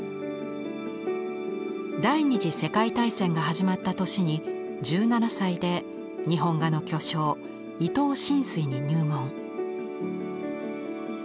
第２次世界大戦が始まった年に１７歳で日本画の巨匠伊東深水に入門。